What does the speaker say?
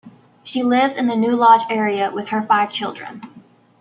She lives in the New Lodge area with her five children.